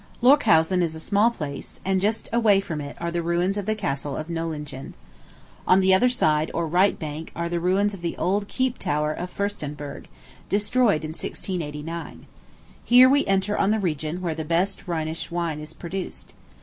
Lorchausen is a small place, and just away from it are the ruins of the Castle of Nollingen. On the other side, or right bank, are the ruins of the old Keep Tower of Fürstenberg, destroyed in 1689. Here we enter on the region where the best Rhenish wine is produced.